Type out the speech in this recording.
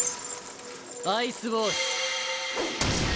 アイスウォール。